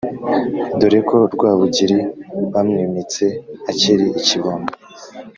dore ko rwabugili bamwimitse akiri ikibondo